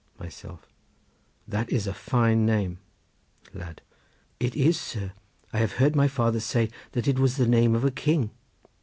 Myself.—That is a fine name. Lad.—It is, sir; I have heard my father say that it was the name of a king.